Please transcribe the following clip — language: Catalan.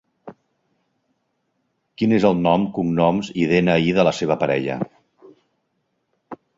Quin és el nom, cognoms i de-ena-i de la seva parella?